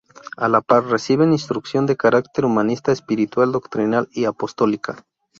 A la par, reciben instrucción de carácter humanista, espiritual, doctrinal y apostólica.